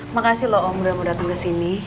makasih loh om udah mau dateng kesini